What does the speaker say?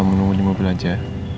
kamu nunggu di mobil aja